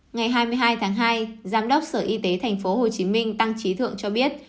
ngày hai mươi hai tháng hai giám đốc sở y tế tp hcm tăng trí thượng cho biết